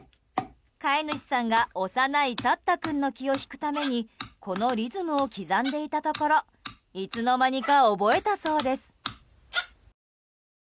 飼い主さんが幼いタッタ君の気を引くためにこのリズムを刻んでいたところいつの間にか覚えたそうです。